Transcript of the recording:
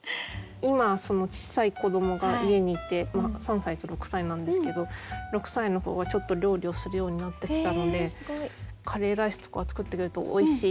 今ちっさい子どもが家にいて３歳と６歳なんですけど６歳の子がちょっと料理をするようになってきたのでカレーライスとかを作ってくれるとおいしい。